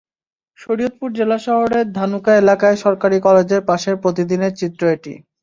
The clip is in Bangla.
শরীয়তপুর জেলা শহরের ধানুকা এলাকায় সরকারি কলেজের পাশের প্রতিদিনের চিত্র এটি।